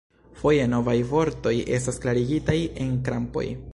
Foje novaj vortoj estas klarigitaj en krampoj.